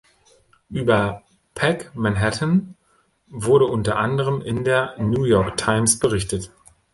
Über Pac-Manhattan wurde unter anderem in der New York Times berichtet.